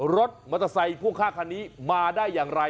รถมอเตอร์ไซค์พ่วงข้างคันนี้มาได้อย่างไร